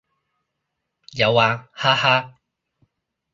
有啊，哈哈